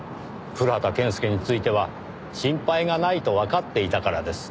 古畑健介については心配がないとわかっていたからです。